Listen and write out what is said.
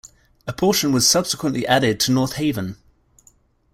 A portion was subsequently added to North Haven.